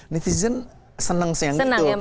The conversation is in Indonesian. netizen senang yang begitu